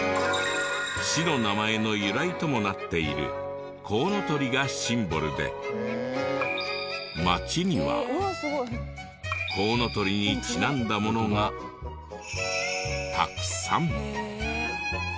市の名前の由来ともなっているコウノトリがシンボルで街にはコウノトリにちなんだものがたくさん。